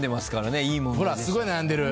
ほらすごい悩んでる。